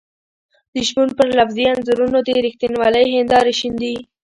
د شپون پر لفظي انځورونو د رښتینولۍ هېندارې شيندي.